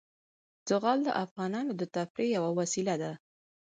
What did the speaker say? زغال د افغانانو د تفریح یوه وسیله ده.